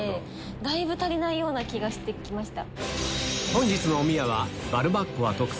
だいぶ足りないような気がしてきました。